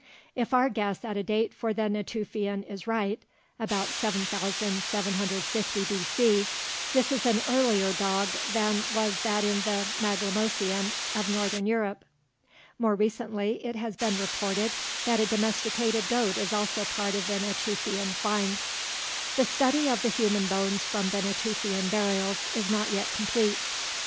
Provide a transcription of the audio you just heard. If our guess at a date for the Natufian is right (about 7750 B.C.), this is an earlier dog than was that in the Maglemosian of northern Europe. More recently, it has been reported that a domesticated goat is also part of the Natufian finds. The study of the human bones from the Natufian burials is not yet complete.